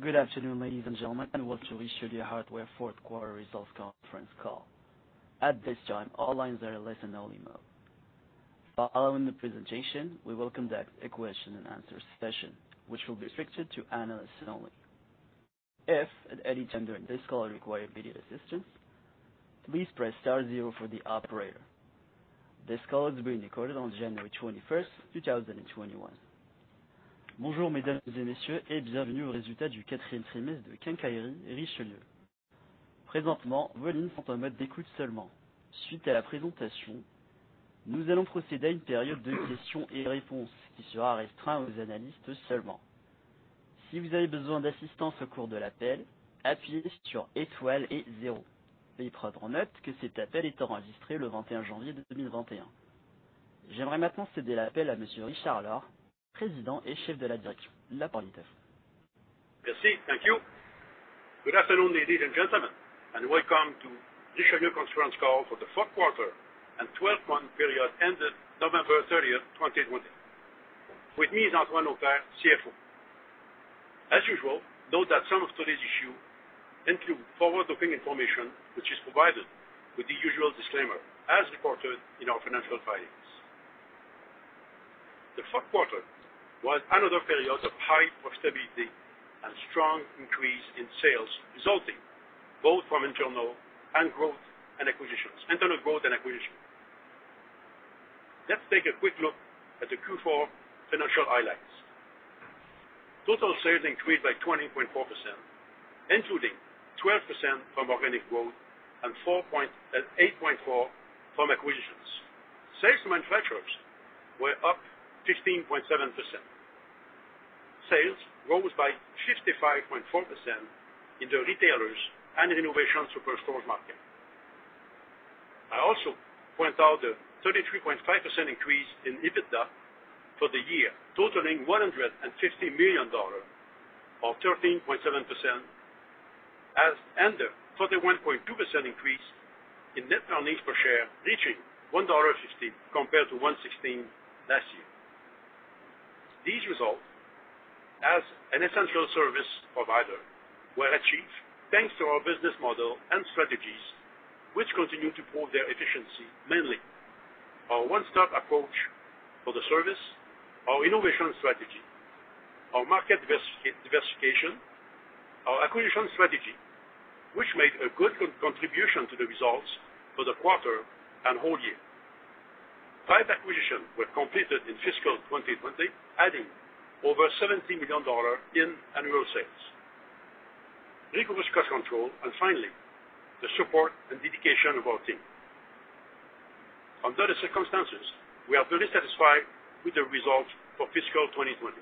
Good afternoon, ladies and gentlemen, welcome to Richelieu Hardware fourth quarter results conference call. At this time, all lines are in listen-only mode. Following the presentation, we will conduct a question-and-answer session, which will be restricted to analysts only. If at any time during this call you require video assistance, please press star zero for the operator. This call is being recorded on January 21st, 2021. Merci. Thank you. Good afternoon, ladies and gentlemen, and welcome to Richelieu conference call for the fourth quarter and 12-month period ended November 30th, 2020. With me is Antoine Auclair, CFO. As usual, note that some of today's issue include forward-looking information, which is provided with the usual disclaimer as reported in our financial filings. The fourth quarter was another period of high profitability and strong increase in sales, resulting both from internal growth and acquisitions. Let's take a quick look at the Q4 financial highlights. Total sales increased by 20.4%, including 12% from organic growth and 8.4% from acquisitions. Sales to manufacturers were up 15.7%. Sales rose by 55.4% in the retailers and renovation superstore market. I also point out a 33.5% increase in EBITDA for the year, totaling 150 million dollars, or 13.7%, and a 31.2% increase in net earnings per share, reaching 1.60 dollar compared to 1.16 last year. These results as an essential service provider were achieved thanks to our business model and strategies, which continue to prove their efficiency, mainly our one-stop approach for the service, our innovation strategy, our market diversification, our acquisition strategy, which made a good contribution to the results for the quarter and whole year. Five acquisitions were completed in fiscal 2020, adding over 70 million dollars in annual sales. Rigorous cost control and finally, the support and dedication of our team. Under the circumstances, we are very satisfied with the results for fiscal 2020,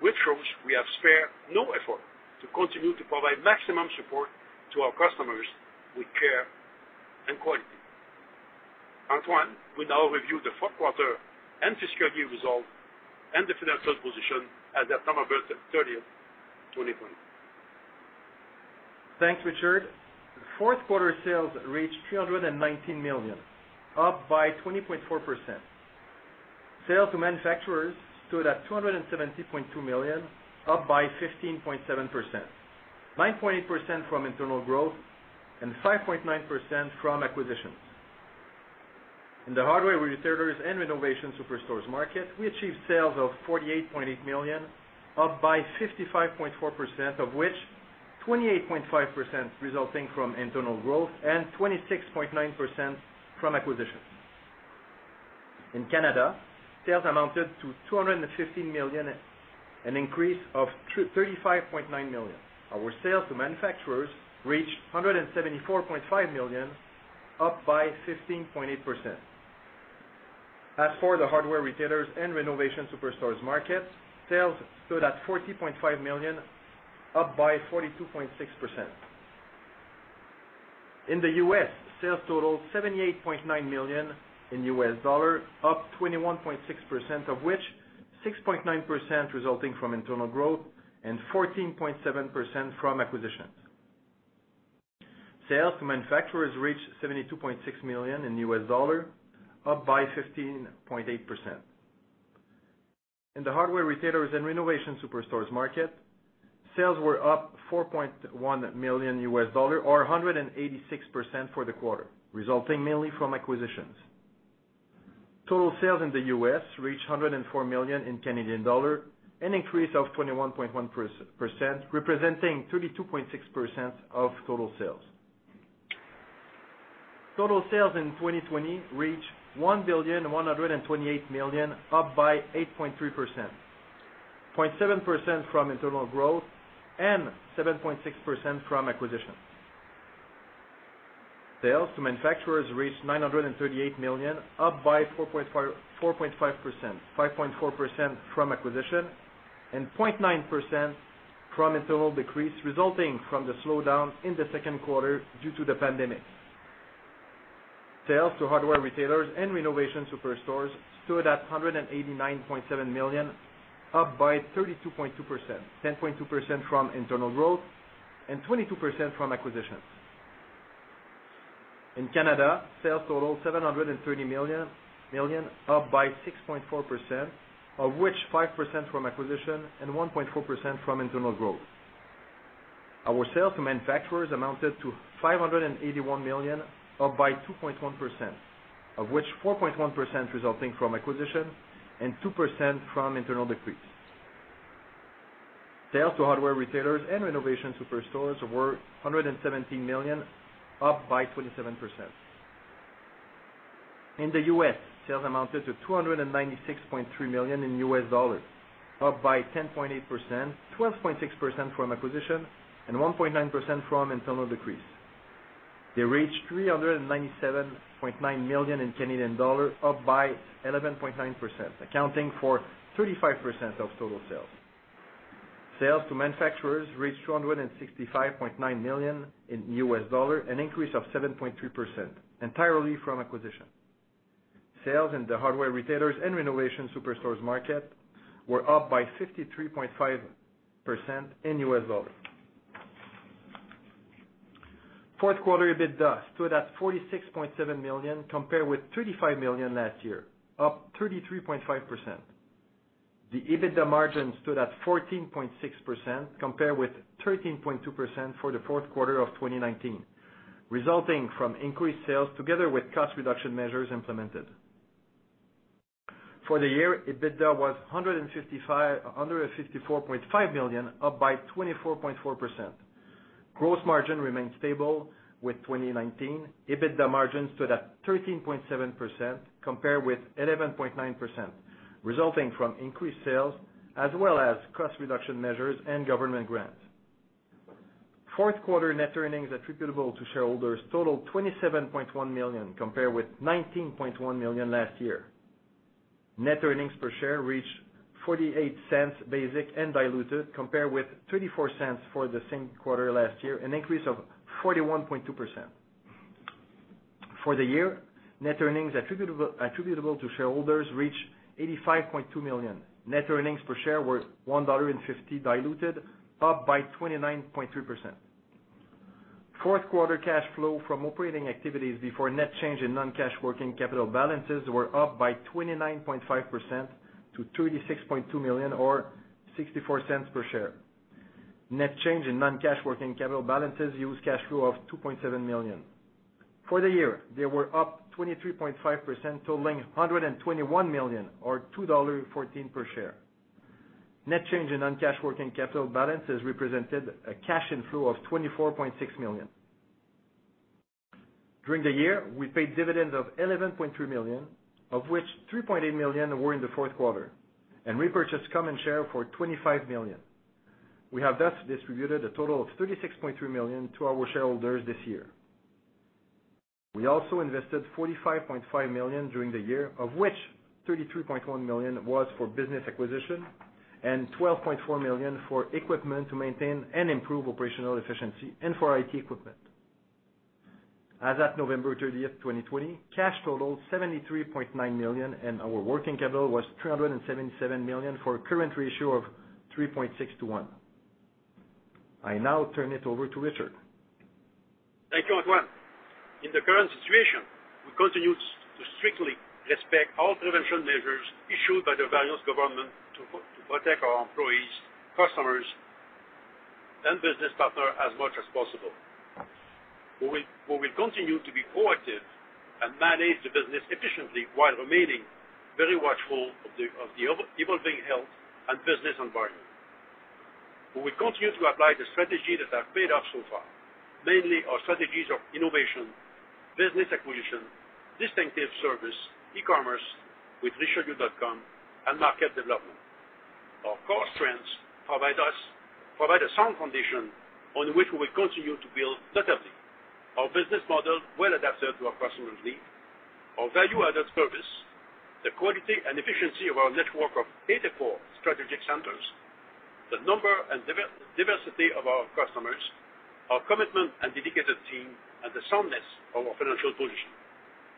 which shows we have spared no effort to continue to provide maximum support to our customers with care and quality. Antoine will now review the fourth quarter and fiscal year results and the financial position as at November 30th, 2020. Thanks, Richard. Fourth quarter sales reached 319 million, up by 20.4%. Sales to manufacturers stood at 270.2 million, up by 15.7%, 9.8% from internal growth and 5.9% from acquisitions. In the hardware retailers and renovation superstores market, we achieved sales of 48.8 million, up by 55.4%, of which 28.5% resulting from internal growth and 26.9% from acquisitions. In Canada, sales amounted to 215 million, an increase of 35.9 million. Our sales to manufacturers reached 174.5 million, up by 15.8%. As for the hardware retailers and renovation superstores markets, sales stood at 40.5 million, up by 42.6%. In the U.S., sales totaled $78.9 million, up 21.6%, of which 6.9% resulting from internal growth and 14.7% from acquisitions. Sales to manufacturers reached $72.6 million, up by 15.8%. In the hardware retailers and renovation superstores market, sales were up $4.1 million or 186% for the quarter, resulting mainly from acquisitions. Total sales in the U.S. reached CAD 104 million, an increase of 21.1%, representing 32.6% of total sales. Total sales in 2020 reached 1.128 billion, up by 8.3%, 0.7% from internal growth and 7.6% from acquisitions. Sales to manufacturers reached 938 million, up by 4.5%, 5.4% from acquisition and 0.9% from internal decrease, resulting from the slowdown in the second quarter due to the pandemic. Sales to hardware retailers and renovation superstores stood at 189.7 million, up by 32.2%, 10.2% from internal growth and 22% from acquisitions. In Canada, sales totaled 730 million, up by 6.4%, of which 5% from acquisition and 1.4% from internal growth. Our sales to manufacturers amounted to 581 million, up by 2.1%, of which 4.1% resulting from acquisition and 2% from internal decrease. Sales to hardware retailers and renovation superstores were 117 million, up by 27%. In the U.S., sales amounted to $296.3 million, up by 10.8%, 12.6% from acquisition, and 1.9% from internal decrease. They reached 397.9 million in Canadian dollars, up by 11.9%, accounting for 35% of total sales. Sales to manufacturers reached 265.9 million, an increase of 7.3% entirely from acquisition. Sales in the hardware retailers and renovation superstores market were up by 53.5% in U.S. dollars. Fourth quarter EBITDA stood at 46.7 million, compared with 35 million last year, up 33.5%. The EBITDA margin stood at 14.6%, compared with 13.2% for the fourth quarter of 2019, resulting from increased sales together with cost reduction measures implemented. For the year, EBITDA was 154.5 million, up by 24.4%. Gross margin remained stable with 2019. EBITDA margins stood at 13.7%, compared with 11.9%, resulting from increased sales, as well as cost reduction measures and government grants. Fourth quarter net earnings attributable to shareholders totaled 27.1 million, compared with 19.1 million last year. Net earnings per share reached 0.48 basic and diluted, compared with 0.24 for the same quarter last year, an increase of 41.2%. For the year, net earnings attributable to shareholders reached 85.2 million. Net earnings per share were 1.50 dollar diluted, up by 29.3%. Fourth quarter cash flow from operating activities before net change in non-cash working capital balances were up by 29.5% to 36.2 million or 0.64 per share. Net change in non-cash working capital balances used cash flow of 2.7 million. For the year, they were up 23.5%, totaling 121 million or CAD 2.14 per share. Net change in non-cash working capital balances represented a cash inflow of 24.6 million. During the year, we paid dividends of 11.3 million, of which 3.8 million were in the fourth quarter, and repurchased common share for 25 million. We have thus distributed a total of 36.3 million to our shareholders this year. We also invested 45.5 million during the year, of which 33.1 million was for business acquisition and 12.4 million for equipment to maintain and improve operational efficiency and for IT equipment. As at November 30th, 2020, cash totaled CAD 73.9 million and our working capital was CAD 377 million for a current ratio of 3.6:1. I now turn it over to Richard. Thank you, Antoine. In the current situation, we continue to strictly respect all prevention measures issued by the various government to protect our employees, customers, and business partner as much as possible. We will continue to be proactive and manage the business efficiently while remaining very watchful of the evolving health and business environment. We will continue to apply the strategies that have paid off so far, mainly our strategies of innovation, business acquisition, distinctive service, e-commerce with richelieu.com, and market development. Our core strengths provide a sound foundation on which we continue to build steadily. Our business model well adapted to our customers' needs, our value-added service, the quality and efficiency of our network of 84 strategic centers, the number and diversity of our customers, our commitment and dedicated team, and the soundness of our financial position.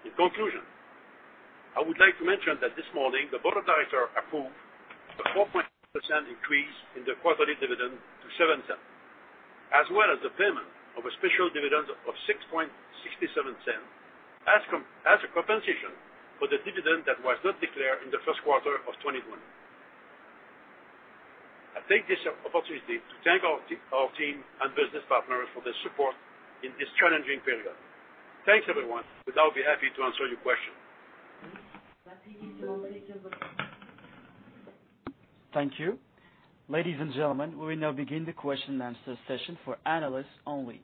In conclusion, I would like to mention that this morning, the board of directors approved a 4.6% increase in the quarterly dividend to 0.07, as well as the payment of a special dividend of 0.0667 as a compensation for the dividend that was not declared in the first quarter of 2020. I take this opportunity to thank our team and business partners for their support in this challenging period. Thanks, everyone. With that, I'll be happy to answer your question. Thank you. Ladies and gentlemen, we will now begin the question-and-answer session for analysts only.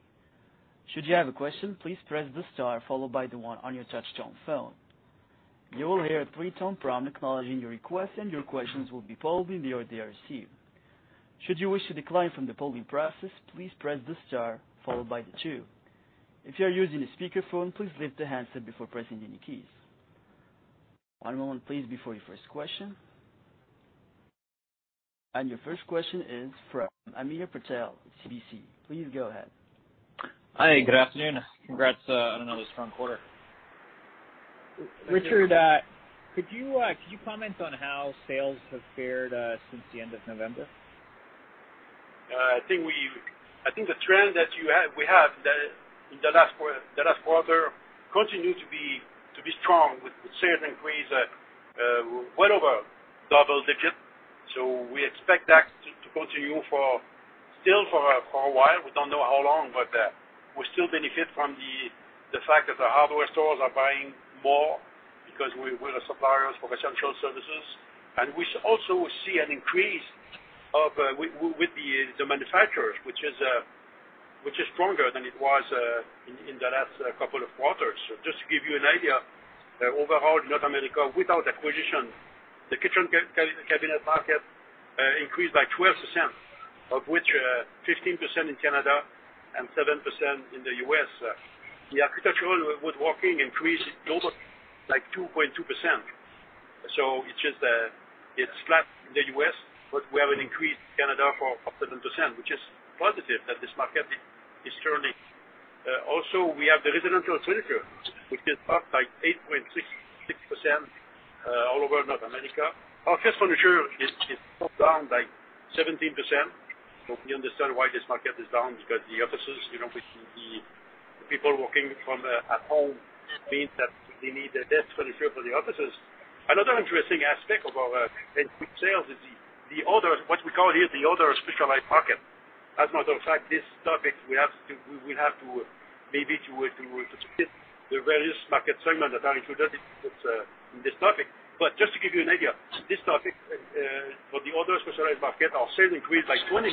Your first question is from Hamir Patel at CIBC. Please go ahead. Hi, good afternoon. Congrats on another strong quarter. Richard, could you comment on how sales have fared since the end of November? I think the trend that we have in the last quarter continued to be strong with sales increase well over double digits. We expect that to continue still for a while. We don't know how long, but we still benefit from the fact that the hardware stores are buying more because we're the suppliers for essential services. We also see an increase with the manufacturers, which is stronger than it was in the last couple of quarters. Just to give you an idea, overall in North America, without acquisition, the kitchen cabinet market increased by 12%, of which 15% in Canada and 7% in the U.S. The architectural woodworking increased global 2.2%. It's flat in the U.S., but we have an increase in Canada for 7%, which is positive that this market is turning. We have the residential furniture, which is up 8.6% all over North America. Office furniture is down 17%. We understand why this market is down because the offices, with the people working from home, means that they need a desk furniture for the offices. Another interesting aspect of our sales is what we call here the other specialized market. As a matter of fact, this topic, we have to maybe to split the various market segments that are included in this topic. Just to give you an idea, this topic for the other specialized market, our sales increased by 20%.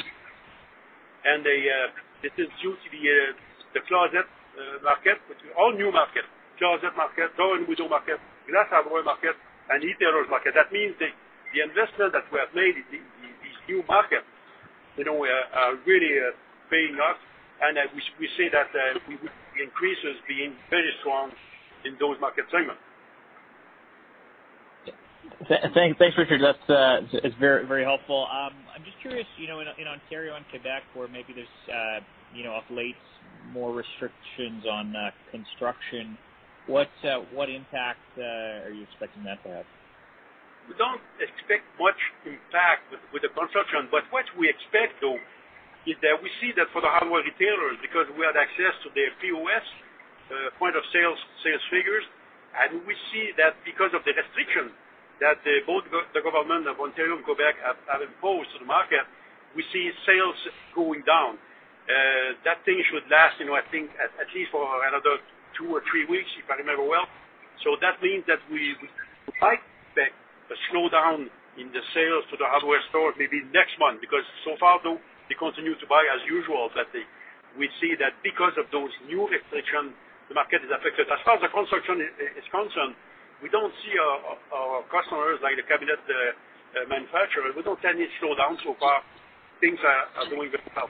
This is due to the closet market, which is all new market, closet market, door and window market, glass hardware market, and retail market. That means the investment that we have made in these new markets are really paying off. We see that the increases being very strong in those market segments. Thanks, Richard. That's very helpful. I'm just curious, in Ontario and Quebec, where maybe there's of late more restrictions on construction, what impact are you expecting that to have? We don't expect much impact with the construction. What we expect, though, is that we see that for the hardware retailers, because we had access to their POS, point of sales figures. We see that because of the restriction that both the government of Ontario and Quebec have imposed to the market, we see sales going down. That thing should last, I think at least for another two or three weeks, if I remember well. That means that we like the slowdown in the sales to the hardware store maybe next month, because so far though, they continue to buy as usual. We see that because of those new restrictions, the market is affected. As far as the construction is concerned, we don't see our customers, like the cabinet manufacturer, we don't see any slowdown so far. Things are going very well.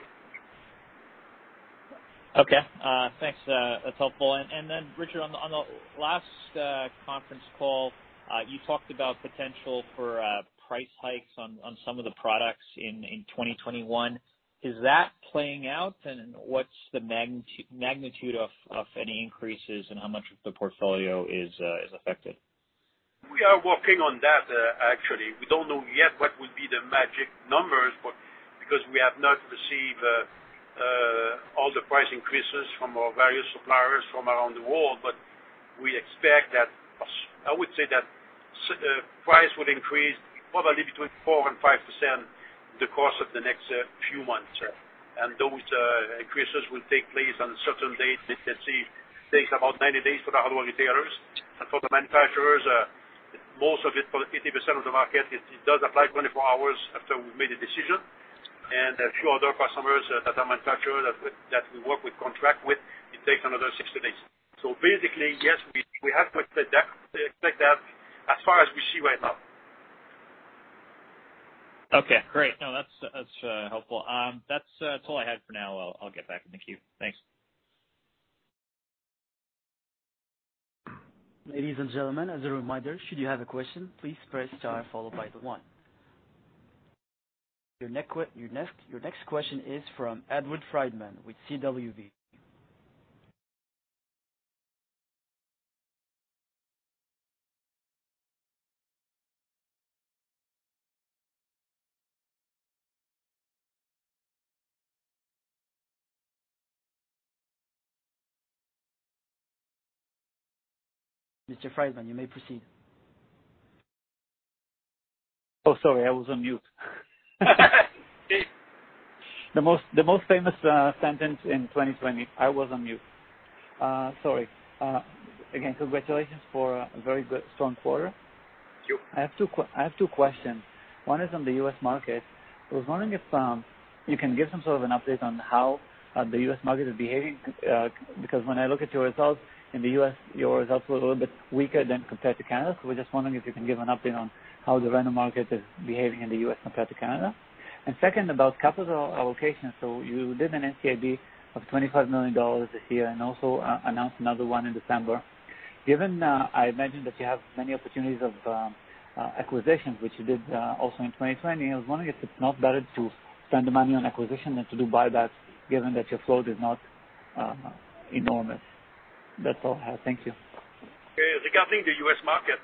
Okay. Thanks. That's helpful. Richard, on the last conference call, you talked about potential for price hikes on some of the products in 2021. Is that playing out? What's the magnitude of any increases and how much of the portfolio is affected? We are working on that, actually. We don't know yet what would be the magic numbers because we have not received all the price increases from our various suppliers from around the world. We expect that, I would say that price will increase probably between 4% and 5% in the course of the next few months. Those increases will take place on certain dates. Let's say it takes about 90 days for the hardware retailers and for the manufacturers, most of it, for 80% of the market, it does apply 24 hours after we've made a decision. A few other customers that are manufacturers that we work with contract with, it takes another 60 days. Basically, yes, we have to expect that as far as we see right now. Okay, great. No, that's helpful. That's all I had for now. I'll get back in the queue. Thanks. Ladies and gentlemen, as a reminder, should you have a question, please press star followed by the one. Your next question is from Edward Friedman with CWB. Mr. Friedman, you may proceed. Oh, sorry, I was on mute. The most famous sentence in 2020, I was on mute. Sorry. Again, congratulations for a very good strong quarter. Thank you. I have two questions. One is on the U.S. market. I was wondering if you can give some sort of an update on how the U.S. market is behaving, because when I look at your results in the U.S., your results were a little bit weaker than compared to Canada. I was just wondering if you can give an update on how the retail market is behaving in the U.S. compared to Canada. Second, about capital allocation. You did an NCIB of 25 million dollars this year and also announced another one in December. Given I imagine that you have many opportunities of acquisitions, which you did also in 2020, I was wondering if it's not better to spend the money on acquisition than to do buyback given that your flow is not enormous. That's all. Thank you. Okay. Regarding the U.S. market,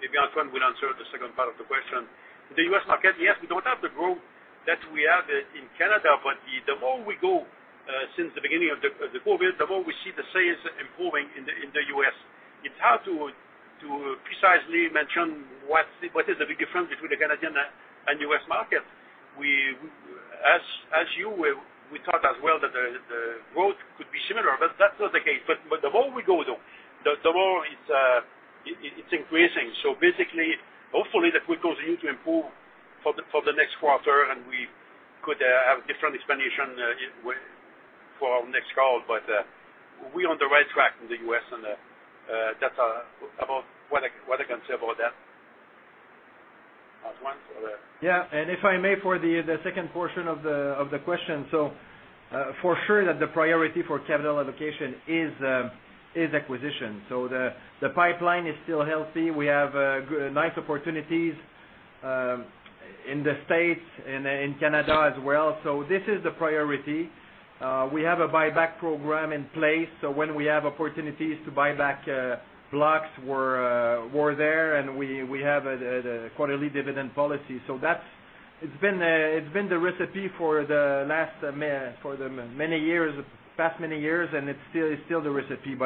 maybe Antoine will answer the second part of the question. The U.S. market, yes, we don't have the growth that we have in Canada, but the more we go since the beginning of the COVID, the more we see the sales improving in the U.S. It's hard to precisely mention what is the big difference between the Canadian and U.S. market. We thought as well that the growth could be similar, that's not the case. The more we go, though, the more it's increasing. Basically, hopefully, that will continue to improve for the next quarter, and we could have different explanation for our next call. We're on the right track in the U.S., and that's about what I can say about that. Antoine? Yeah. If I may, for the second portion of the question. For sure that the priority for capital allocation is acquisition. The pipeline is still healthy. We have nice opportunities in the States and in Canada as well. This is the priority. We have a buyback program in place, when we have opportunities to buy back blocks, we're there, and we have a quarterly dividend policy. It's been the recipe for the past many years, and it's still the recipe.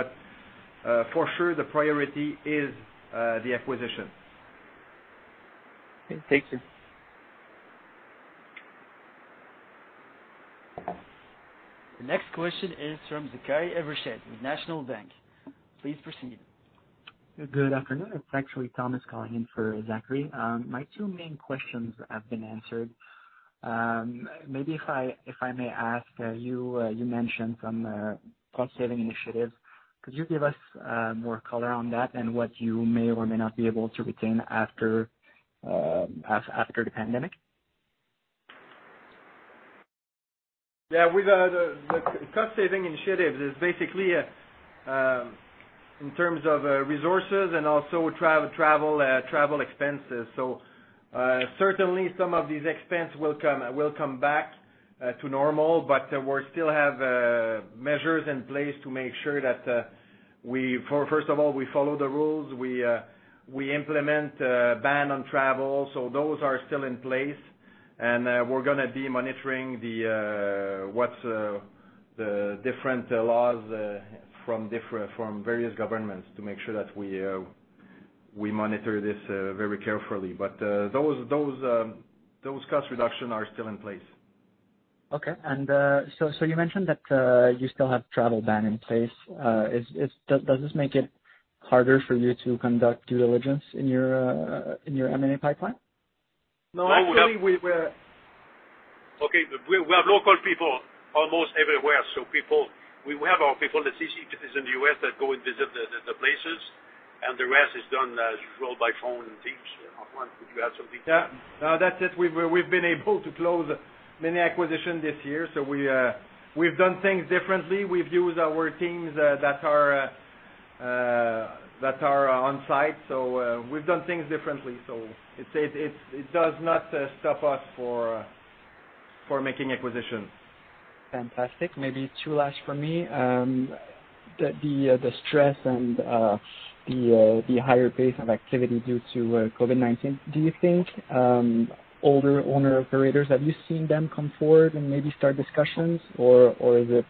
For sure, the priority is the acquisition. Okay, thank you. The next question is from Zachary Evershed with National Bank. Please proceed. Good afternoon. It's actually Thomas calling in for Zachary. My two main questions have been answered. Maybe if I may ask you mentioned some cost-saving initiatives. Could you give us more color on that and what you may or may not be able to retain after the pandemic? Yeah. With the cost-saving initiatives, it's basically in terms of resources and also travel expenses. Certainly, some of these expenses will come back to normal, but we still have measures in place to make sure that first of all, we follow the rules. We implement ban on travel. Those are still in place, and we're gonna be monitoring what's the different laws from various governments to make sure that we monitor this very carefully. Those cost reductions are still in place. Okay. You mentioned that you still have travel ban in place. Does this make it harder for you to conduct due diligence in your M&A pipeline? No. Okay. We have local people almost everywhere. We have our people that sit in the U.S. that go and visit the places, and the rest is done as well by phone and Teams. Antoine, could you add something to that? Yeah. No, that's it. We've been able to close many acquisitions this year. We've done things differently. We've used our teams that are on-site. We've done things differently. It does not stop us for making acquisitions. Fantastic. Maybe two last from me. The stress and the higher pace of activity due to COVID-19, do you think older owner operators, have you seen them come forward and maybe start discussions? Or is it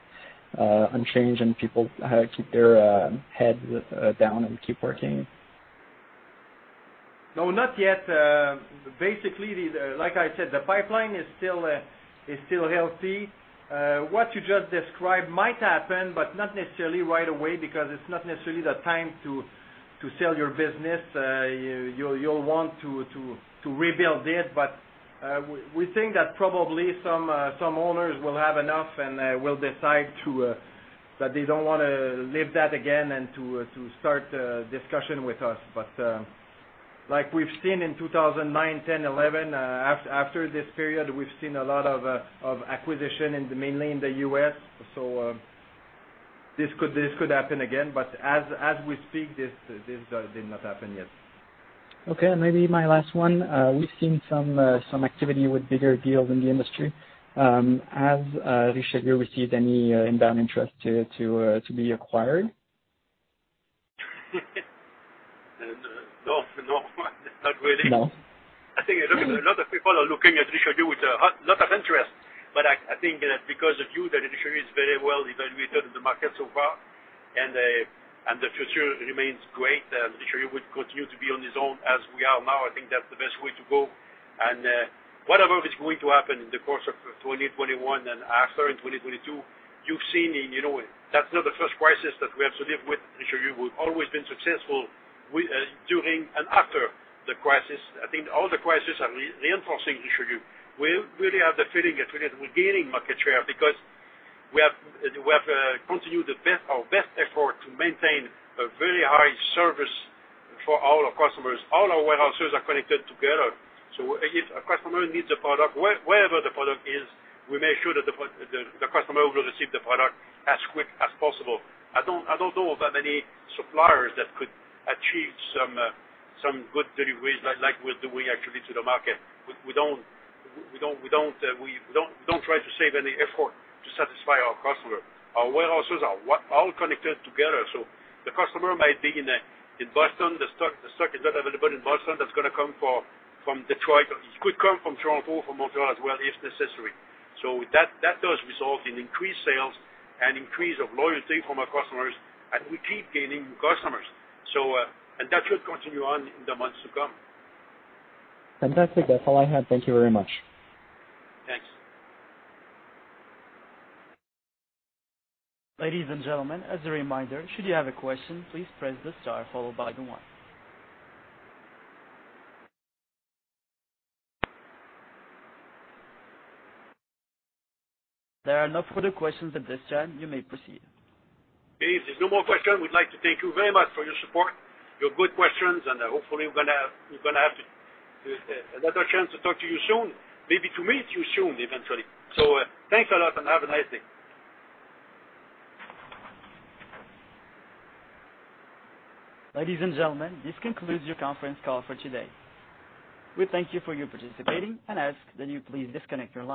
unchanged and people keep their heads down and keep working? No, not yet. Basically, like I said, the pipeline is still healthy. What you just described might happen, but not necessarily right away, because it's not necessarily the time to sell your business. You'll want to rebuild it. We think that probably some owners will have enough, and will decide that they don't want to live that again and to start a discussion with us. Like we've seen in 2009, 2010, 2011, after this period, we've seen a lot of acquisition mainly in the U.S. This could happen again, but as we speak, this did not happen yet. Okay. Maybe my last one. We've seen some activity with bigger deals in the industry. Has Richelieu received any inbound interest to be acquired? No. Not really. No? I think a lot of people are looking at Richelieu with a lot of interest. I think that because of you, that Richelieu is very well evaluated in the market so far, and the future remains great, and Richelieu would continue to be on its own as we are now. I think that's the best way to go. Whatever is going to happen in the course of 2021 and after in 2022, you've seen, that's not the first crisis that we have to live with Richelieu. We've always been successful during and after the crisis. I think all the crisis are reinforcing Richelieu. We really have the feeling that we're gaining market share because we have continued our best effort to maintain a very high service for all our customers. All our warehouses are connected together. If a customer needs a product, wherever the product is, we make sure that the customer will receive the product as quick as possible. I don't know of that many suppliers that could achieve some good deliveries like we're doing actually to the market. We don't try to save any effort to satisfy our customer. Our warehouses are all connected together. The customer might be in Boston. The stock is not available in Boston. That's gonna come from Detroit. It could come from Toronto, from Montreal as well, if necessary. That does result in increased sales and increase of loyalty from our customers, and we keep gaining customers. That should continue on in the months to come. Fantastic. That's all I had. Thank you very much. Thanks. Ladies and gentlemen, as a reminder, should you have a question, please press the star followed by the one. There are no further questions at this time. You may proceed. Okay. If there's no more question, we'd like to thank you very much for your support, your good questions, and hopefully, we're gonna have another chance to talk to you soon, maybe to meet you soon, eventually. Thanks a lot and have a nice day. Ladies and gentlemen, this concludes your conference call for today. We thank you for your participating and ask that you please disconnect your lines.